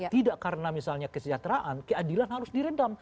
tidak karena misalnya kesejahteraan keadilan harus diredam